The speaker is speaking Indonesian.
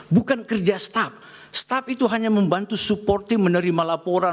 bukan kerja staff staff itu hanya membantu supporting menerima laporan